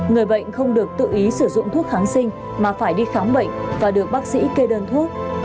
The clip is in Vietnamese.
người bệnh không được tự ý sử dụng thuốc kháng sinh mà phải đi khám bệnh và được bác sĩ kê đơn thuốc